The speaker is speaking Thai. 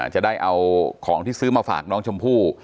จะได้เอาของที่ซื้อมาฝากน้องชมพู่